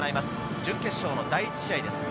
準決勝の第１試合です。